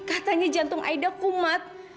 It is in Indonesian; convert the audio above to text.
katanya jantung aida kumat